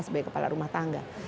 sebagai kepala rumah tangga